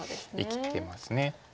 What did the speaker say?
生きてます。